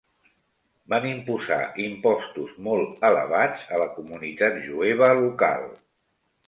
Van imposar impostos molt elevats a la comunitat jueva local.